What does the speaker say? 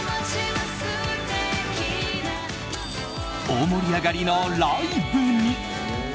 大盛り上がりのライブに。